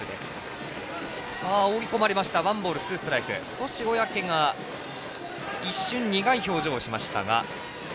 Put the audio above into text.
少し小宅が一瞬、苦い表情をしましたが。